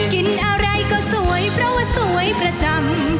กินอะไรก็สวยเพราะว่าสวยประจำ